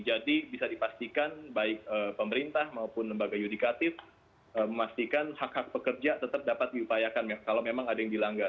jadi bisa dipastikan baik pemerintah maupun lembaga yudikatif memastikan hak hak pekerja tetap dapat diupayakan kalau memang ada yang dilanggar